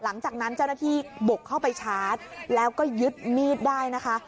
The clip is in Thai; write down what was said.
หลังจากนั้นเจ้าหน้าที่บุกเข้าไปชาร์จแล้วก็ยึดมีดได้นะคะ